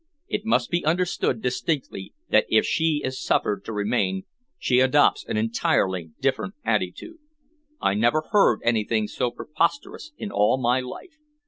It must be understood distinctly that if she is suffered to remain, she adopts an entirely different attitude. I never heard anything so preposterous in all my life.